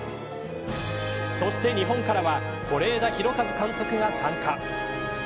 そして日本からは是枝裕和監督が参加。